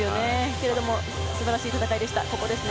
けれども素晴らしい戦いでした。